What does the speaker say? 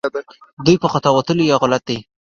دوی په خطا وتلي یا غلط دي